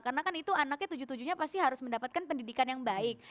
karena kan itu anaknya tujuh tujuhnya pasti harus mendapatkan pendidikan yang baik